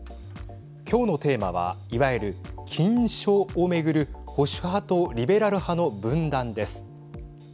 今日のテーマはいわゆる禁書を巡る保守派とリベラル派の分断です。